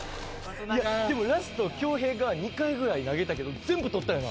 いやでもラスト恭平が２回ぐらい投げたけど全部捕ったよな。